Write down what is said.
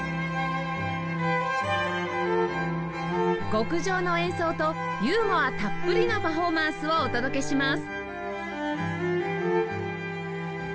極上の演奏とユーモアたっぷりのパフォーマンスをお届けします！